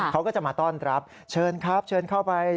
เขาก็จะมาต้อนรับเชิญครับเชิญเข้าไป